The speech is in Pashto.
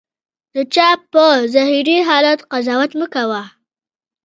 د چا په ظاهري حالت قضاوت مه کوه.